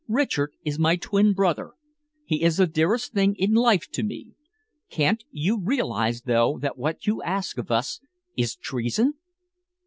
"Richard is my twin brother, he is the dearest thing in life to me. Can't you realise, though, that what you ask of us is treason?"